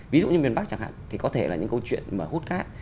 ví dụ như miền bắc chẳng hạn thì có thể là những câu chuyện mà hút cát